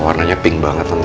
warnanya pink banget tante